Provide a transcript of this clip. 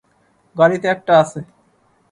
গাড়িতে একটা আছে।